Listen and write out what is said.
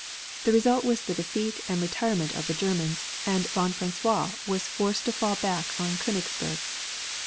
The result was the defeat and retirement of the Germans, and von Francois was forced to fall back on Koenigsberg.